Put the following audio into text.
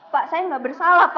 pak saya gak bersalah